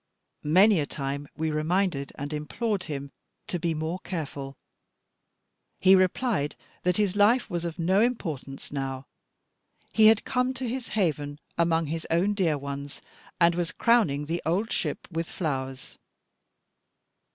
Many a time we reminded and implored him to be more careful. He replied, that his life was of no importance now; he had come to his haven among his own dear ones, and was crowning the old ship with flowers.